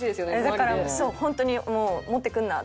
だからそう本当にもう「持ってくるな！」